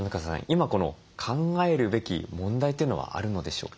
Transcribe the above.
今考えるべき問題というのはあるのでしょうか？